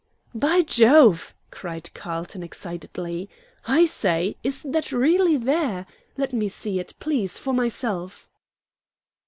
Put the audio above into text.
'" "By Jove!" cried Carlton, excitedly. "I say, is that really there? Let me see it, please, for myself."